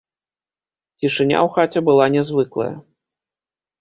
Цішыня ў хаце была нязвыклая.